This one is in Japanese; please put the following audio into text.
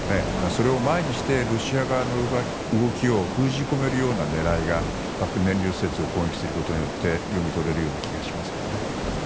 それを前にしてロシア側の動きを封じ込めるような狙いが燃料施設を攻撃することによって読み取れるような気がしますよね。